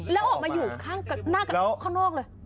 แล้วออกมาอยู่ข้างหน้ากระข้างนอกเลย